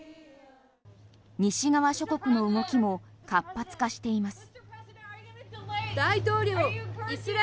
西側諸国の動きも活発化しています。